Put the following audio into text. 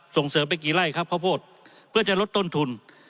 ส่งเสริมไปกี่ไร่ครับข้าวโพดเพื่อจะลดต้นทุน